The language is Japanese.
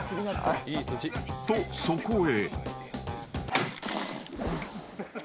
［とそこへ］